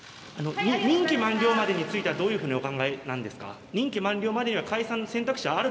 任期満了までについてはどういうふうにお考えなんですか。